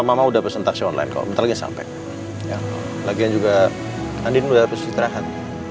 mama udah pesen taksi online kau bentar lagi sampai lagi juga andi udah habis istirahat